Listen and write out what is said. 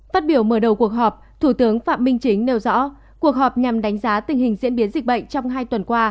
phát biểu mở đầu cuộc họp thủ tướng phạm minh chính nêu rõ cuộc họp nhằm đánh giá tình hình diễn biến dịch bệnh trong hai tuần qua